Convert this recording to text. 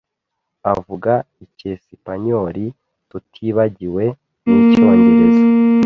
Avuga icyesipanyoli, tutibagiwe n'icyongereza.